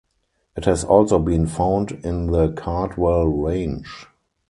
It has also been found in the Cardwell Range.